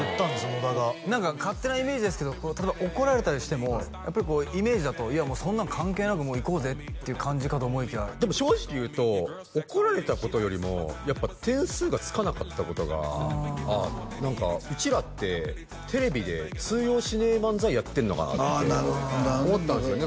野田が何か勝手なイメージですけど例えば怒られたりしてもやっぱりこうイメージだといやそんなの関係なく行こうぜっていう感じかと思いきやでも正直言うと怒られたことよりもやっぱ点数がつかなかったことが何かうちらってテレビで通用しねえ漫才やってんのかなってああなるほどね思ったんですよ